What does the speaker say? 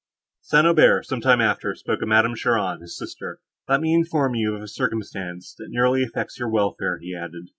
St. Aubert, some time after, spoke of Madame Cheron, his sister. "Let me inform you of a circumstance, that nearly affects your welfare," he added.